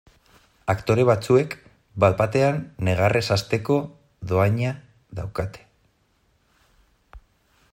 Aktore batzuek bat batean negarrez hasteko dohaina daukate.